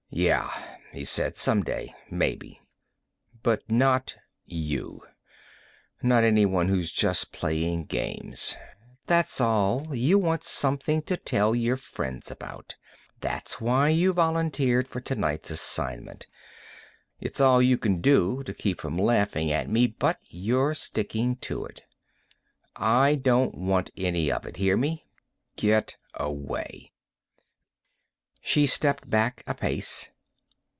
"Yeah," he said. "Someday, maybe. But not you. Not anyone who's just playing games. That's all you want something to tell your friends about, that's why you volunteered for tonight's assignment. It's all you can do to keep from laughing at me, but you're sticking to it. I don't want any of it, hear me? Get away." She stepped back a pace.